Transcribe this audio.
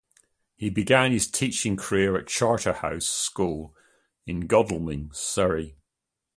He began his teaching career at Charterhouse School in Godalming, Surrey.